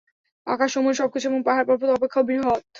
আকাশসমূহের সবকিছু এবং পাহাড়-পর্বত অপেক্ষাও বৃহৎ।